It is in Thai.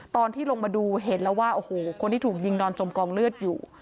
ตอนที่ลงมาดูเห็นแล้วว่าโอ้โหคนที่ถูกยิงนอนจมกองเลือดอยู่